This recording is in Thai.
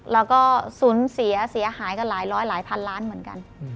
แล้วก็สูญเสียเสียหายกันหลายร้อยหลายพันล้านเหมือนกัน